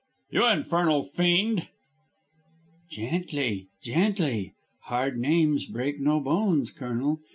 "You infernal fiend " "Gently! Gently! Hard names break no bones, Colonel.